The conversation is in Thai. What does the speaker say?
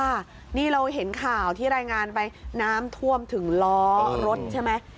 นี่เราเห็นข่าวที่รายงานไปน้ำท่วมถึงล้อรถใช่ไหม